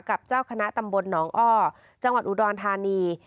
กับเจ้าคณะตำบลหนองอ้อจังหวัดอุดรธานี